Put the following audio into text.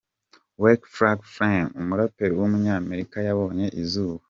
Waka Flocka Flame, umuraperi w’umunyamerika yabonye izuba.